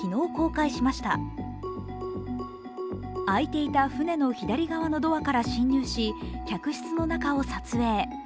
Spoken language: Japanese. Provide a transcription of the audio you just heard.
開いていた船の左側のドアから進入し、客室の中を撮影。